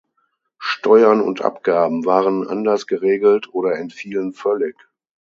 Steuern und Abgaben waren anders geregelt oder entfielen völlig.